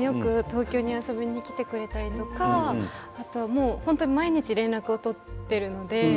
よく東京に遊びに来てくれたりとか毎日、連絡を取っているので。